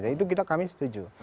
itu kami setuju